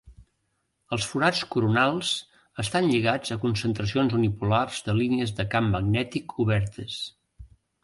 Els forats coronals estan lligats a concentracions unipolars de línies de camp magnètic obertes.